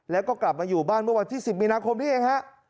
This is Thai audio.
แล้วก็กลับมาอยู่บ้านเมื่อวันที่๑๐มีนาคมนี้เองฮะ